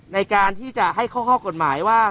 ในการที่จะให้ข้อกฎหมายว่า